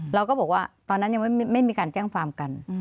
เราก็บอกว่าตอนนั้นยังไม่มีการแจ้งความกัน